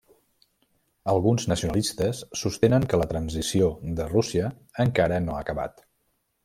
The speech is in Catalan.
Alguns nacionalistes sostenen que la transició de Rússia encara no ha acabat.